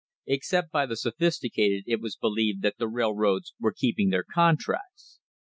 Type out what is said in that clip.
Except by the sophisticated it was believed that the railroads were keeping their, contracts.